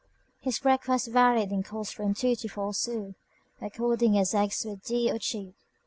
His breakfast varied in cost from two to four sous, according as eggs were dear or cheap.